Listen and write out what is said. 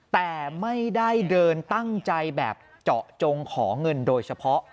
แต่ไม่ได้เดินตั้งใจแบบเจาะจงขอเงินโดยเฉพาะ